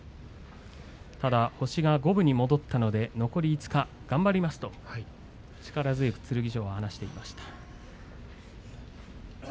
星が五分に戻ったので残り５日頑張りますと力強く剣翔は話していました。